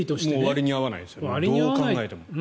割に合わないですよねどう考えても。